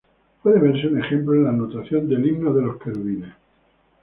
Puede verse un ejemplo en la notación del Himno de los Querubines.